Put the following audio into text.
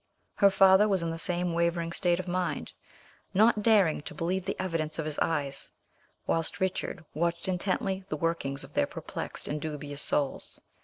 Her father was in the same wavering state of mind, not daring to believe the evidence of his eyes, whilst Richard watched intently the workings of their perplexed and dubious souls.